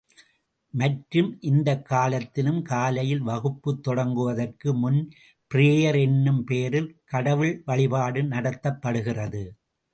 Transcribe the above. மற்றும், இந்தக் காலத்திலும், காலையில் வகுப்பு தொடங்குவதற்கு முன் பிரேயர் என்னும் பெயரில் கடவுள் வழிபாடு நடத்தப்படுகிறது.